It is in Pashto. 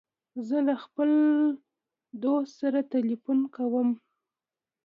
زه له خپل دوست سره تلیفون کوم.